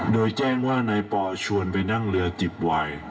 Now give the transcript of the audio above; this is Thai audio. โดยแจ้งว่านายปอชวนไปนั่งเรือจิบวาย